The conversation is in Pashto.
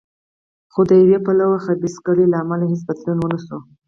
خو د یوې بلې خبیثه کړۍ له امله هېڅ بدلون ونه شو.